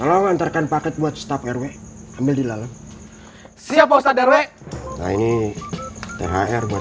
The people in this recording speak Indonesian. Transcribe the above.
alhamdulillah terima kasih pak ustadz arwe